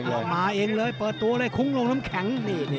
ออกมาเองเลยเปิดตัวเลยคุ้งลงน้ำแข็ง